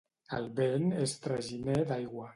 El vent és traginer d'aigua.